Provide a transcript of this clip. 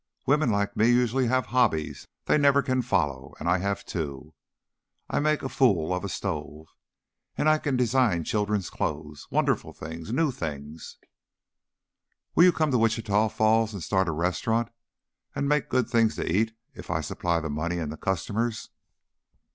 Women like me usually have hobbies they never can follow and I have two. I can make a fool of a stove, and I I can design children's clothes, wonderful things, new things " "Will you come to Wichita Falls and start a restaurant and make good things to eat, if I supply the money and the customers?"